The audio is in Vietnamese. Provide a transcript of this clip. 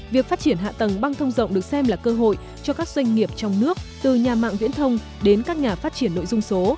việc phát triển hạ tầng băng thông rộng được xem là cơ hội cho các doanh nghiệp trong nước từ nhà mạng viễn thông đến các nhà phát triển nội dung số